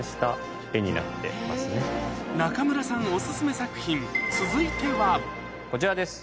中村さんオススメ作品こちらです！